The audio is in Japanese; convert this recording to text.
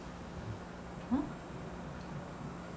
うん？